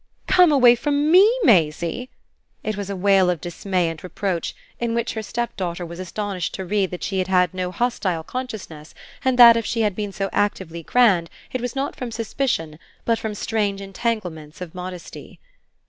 "Come away from ME, Maisie?" It was a wail of dismay and reproach, in which her stepdaughter was astonished to read that she had had no hostile consciousness and that if she had been so actively grand it was not from suspicion, but from strange entanglements of modesty.